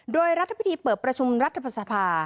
โดยรัฐพิธีเปิดประชุมรัฐสภา